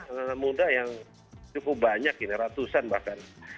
anak anak muda yang cukup banyak ini ratusan bahkan